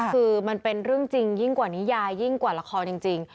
คือมันเป็นเรื่องจริงยิ่งกว่านิยายยิ่งกว่าละครจริง